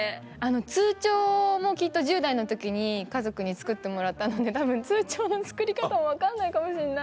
通帳もきっと１０代の時に家族に作ってもらったのでたぶん通帳の作り方分かんないかもしんない。